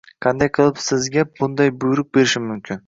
Qanday qilib sizga bunday buyruq berishim mumkin